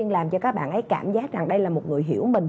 làm cho các bạn ấy cảm giác rằng đây là một người hiểu mình